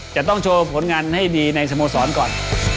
จะต้องโชว์ผลงานให้ดีในสโมสรก่อน